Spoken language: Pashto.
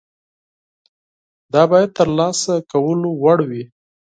دا باید د ترلاسه کولو وړ وي.